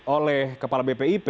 oleh kepala bpip